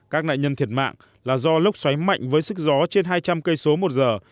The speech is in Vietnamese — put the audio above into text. các nạn nhân thiệt mạng là do lốc xoáy mạnh với sức gió trên hai trăm linh cây số một giờ